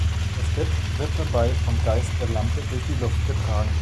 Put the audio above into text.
Das Bett wird dabei vom Geist der Lampe durch die Luft getragen.